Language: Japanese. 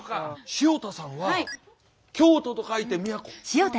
潮田さんは京都と書いて京都。